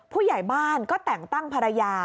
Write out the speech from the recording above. ผู้ใหญ่บ้านก็แต่งตั้งภรรยา